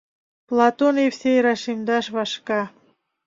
— Платон Евсей рашемдаш вашка.